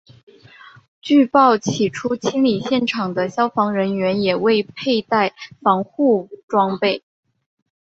据报起初清理现场的消防人员也未佩戴防护装备。